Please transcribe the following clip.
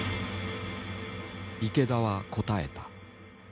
池田は答えた。